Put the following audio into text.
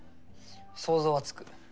想像はつく。